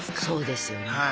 そうですよね。